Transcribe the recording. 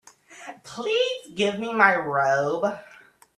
Please give me my robe.